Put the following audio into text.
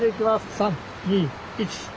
３２１。